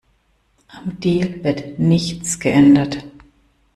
Am Deal wird nichts geändert.